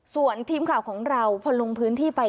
ส่วนทีมข่าวของเราพอลงพื้นที่ไป